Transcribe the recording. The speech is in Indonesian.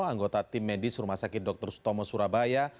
anggota tim medis rumah sakit dr sutomo surabaya